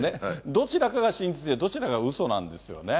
どちらかが真実でどちらかがうそなんですよね。